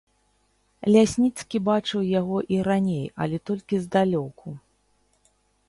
Лясніцкі бачыў яго і раней, але толькі здалёку.